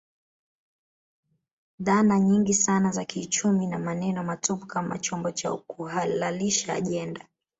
Dhana nyingi sana za kiuchumi na maneno matupu kama chombo cha kuhalalisha ajenda